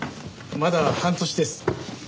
まだ半年です。